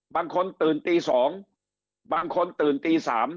บางคนตื่นตี๒บางคนตื่นตี๓